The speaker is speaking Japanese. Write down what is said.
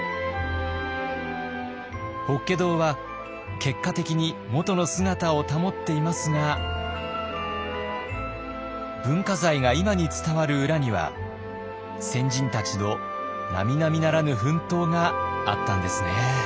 法華堂は結果的に元の姿を保っていますが文化財が今に伝わる裏には先人たちのなみなみならぬ奮闘があったんですね。